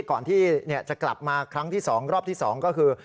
ก่อนที่จะกลับมาครั้งที่๒รอบที่๒ก็คือ